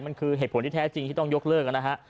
มันคือเหตุผลที่แท้จริงที่ต้องยกเลิกนะฮะ